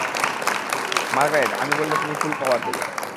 Margaret, আমি বললে তুমি ফুল পাওয়ার দেবে।